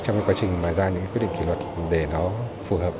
trong quá trình ra những quyết định kỷ luật để nó phù hợp